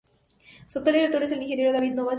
Su actual Director es el Ingeniero David Nova Chávez